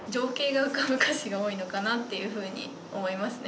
のかなっていうふうに思いますね